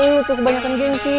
lu itu kebanyakan gengsi